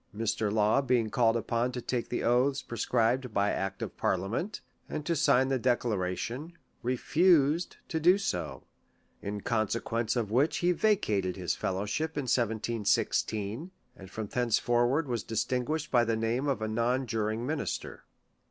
Mr. Law being called upon to take the oaths pre scribed by act of parliament, and to sign the Declara tion, refused to do so; in consequence of which he vacated his fellowship in 1716, and from thencefor ward was distinguished by the name of a non juring minister.